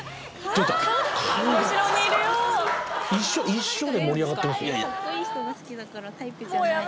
「一緒！」で盛り上がってますよ